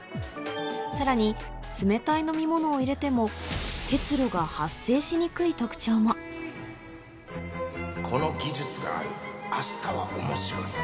さらに冷たい飲み物を入れても結露が発生しにくい特徴もこの技術がある明日は面白い